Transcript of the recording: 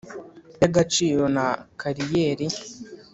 y agaciro na kariyeri